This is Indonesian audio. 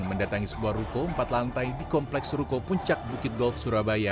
mendatangi sebuah ruko empat lantai di kompleks ruko puncak bukit golf surabaya